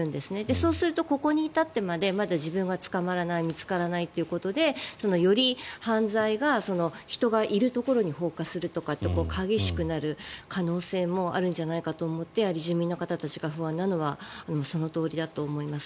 そうすると、ここに至ってまでまだ自分が捕まらない見つからないということでより犯罪が人がいるところに放火するとかって激しくなる可能性もあるんじゃないかと思って住民の方たちが不安なのはそのとおりだと思います。